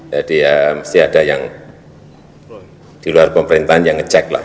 jadi ya mesti ada yang di luar pemerintahan yang ngecek lah